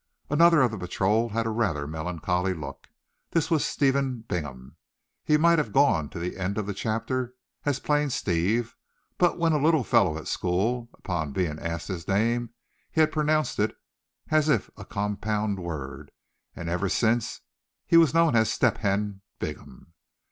Another of the patrol had a rather melancholy look. This was Stephen Bingham. He might have gone to the end of the chapter as plain Steve; but when a little fellow at school, upon being asked his name, he had pronounced it as if a compound word; and ever since he was known as Step hen Bingham.